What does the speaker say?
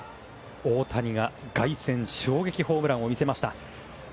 大谷が凱旋衝撃ホームランを見せました。